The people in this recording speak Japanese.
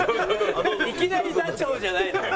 いきなりダチョウじゃないのよ。